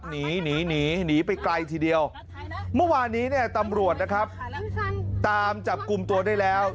หนีหนีไปไกลทีเดียวเมื่อวานนี้เนี่ยตำรวจนะครับตามจับกลุ่มตัวได้แล้ว